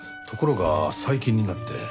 ところが最近になって。